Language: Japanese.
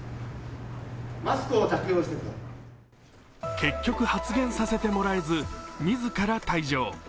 結局、発言させてもらえず、自ら退場。